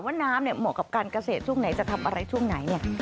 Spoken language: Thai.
ว่าน้ำเนี่ยเหมาะกับการเกษตรช่วงไหนจะทำอะไรช่วงไหนเนี่ย